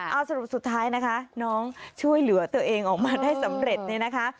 เอาสรุปสุดท้ายนะคะน้องช่วยเหลือตัวเองออกมาได้สำเร็จเนี่ยนะคะ